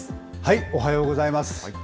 おはようございます。